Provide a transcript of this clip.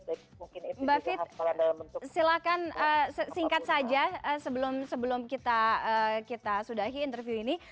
mbak fit silakan singkat saja sebelum kita sudahi interview ini